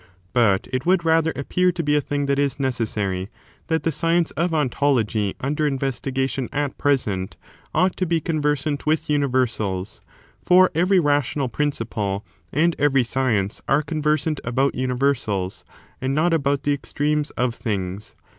But it would rather appear to be a thing that is necessary that the science of ontology, under investigation at present, ought to be con versant with universals; for every rational principle, and every science, are conversant about universals, and not about the extremes^ of things.